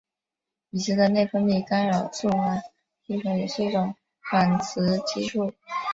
已知的内分泌干扰素烷基酚也是一种仿雌激素。